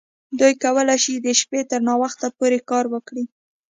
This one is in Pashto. دوی کولی شي د شپې تر ناوخته پورې کار وکړي